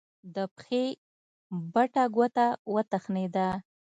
د پښې بټه ګوته وتخنېده.